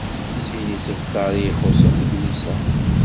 Sin isebtar i ixuṣṣen deg udlis-a.